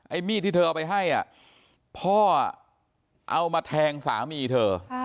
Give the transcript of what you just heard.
มีดที่เธอเอาไปให้พ่อเอามาแทงสามีเธอ